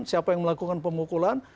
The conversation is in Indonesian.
siapa yang melakukan pemukulan